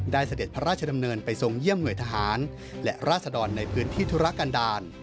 เสด็จพระราชดำเนินไปทรงเยี่ยมหน่วยทหารและราศดรในพื้นที่ธุรกันดาล